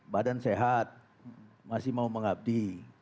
badan sehat masih mau mengabdi